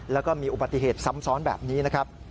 แล้วก็มีอุบัติเหตุซ้ำซ้อนแบบนี้นะครับ